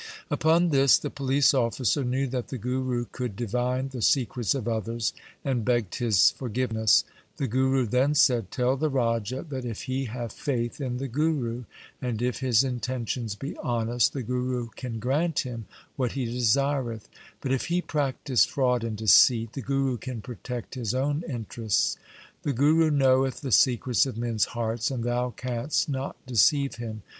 Upon this the police officer knew that the Guru could divine the secrets of others and begged his forgiveness. The Guru then said, ' Tell the raja that if he have faith in the Guru and if his intentions be honest, the Guru can grant him what he desireth ; but if he practise fraud and deceit, the Guru can protect his own interests. The Guru knoweth the secrets of men's hearts, and thou canst not deceive him.